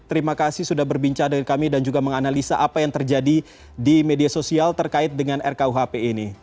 terima kasih sudah berbincang dengan kami dan juga menganalisa apa yang terjadi di media sosial terkait dengan rkuhp ini